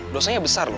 dosanya besar lo